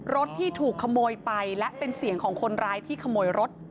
รถที่ถูกขโมยไปและเป็นเสียงของคนร้ายที่ขโมยรถ